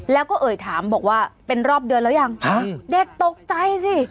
แล้วก็เอ่ยถามบอกว่าเป็นรอบเดือนแล้วยังเด็กตกใจสิ